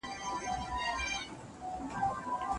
که موږ له کړکۍ څخه ډبره